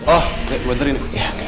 oh bentar ini